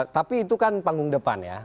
tapi itu kan panggung depan ya